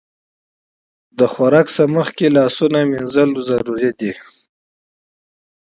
د خوړو نه مخکې لاسونه مینځل اړین دي.